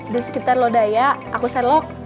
di sekitar lodaya aku selok